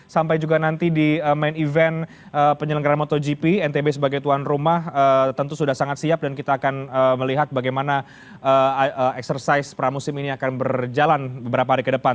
sampai juga nanti di main event penyelenggara motogp ntb sebagai tuan rumah tentu sudah sangat siap dan kita akan melihat bagaimana eksersis pramusim ini akan berjalan beberapa hari ke depan